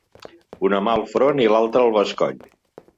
Una mà al front i l'altra al bescoll.